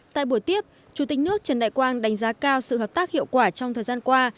tại buổi tiếp chủ tịch nước trần đại quang đánh giá cao sự hợp tác hiệu quả trong thời gian qua